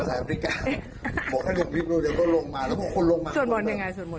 แล้วตอนลงริฟุนะครับมองหลานเป็นคนจัดหลานแล้วก็